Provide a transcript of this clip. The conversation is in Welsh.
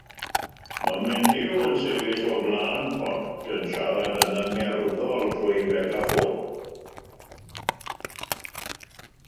Mae menyw yn sefyll o flaen pont, yn siarad yn angerddol trwy fegaffon.